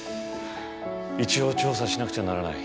一応調査しなくちゃならない。